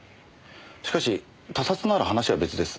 しかし他殺なら話は別です。